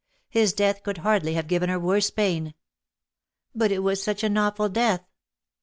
His death could hardly have given her worse pain.^^ '^ But it was such an awful death.